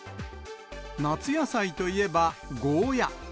夏野菜といえばゴーヤ。